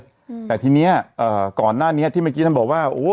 อืมแต่ทีเนี้ยเอ่อก่อนหน้านี้ที่เมื่อกี้ท่านบอกว่าโอ้